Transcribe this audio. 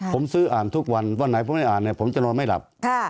ผมซื้ออ่านทุกวันวันไหนผมไม่อ่านเนี่ยผมจะนอนไม่หลับ